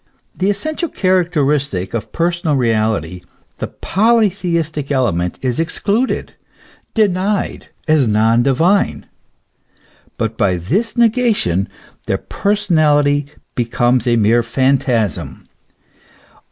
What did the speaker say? The essential character istic of personal reality, the polytheistic element, is excluded, denied as non divine. But by this negation their personality becomes a mere phantasm.